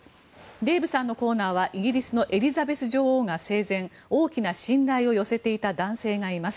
デーブさんのコーナーはイギリスのエリザベス女王が生前、大きな信頼を寄せていた男性がいます。